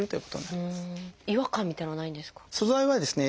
違和感みたいなのはないんですか？